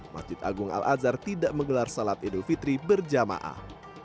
masjid agung al azhar tidak menggelar salat idul fitri berjamaah